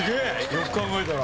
よく考えたら。